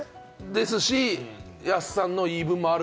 ですし、安さんの言い分もある。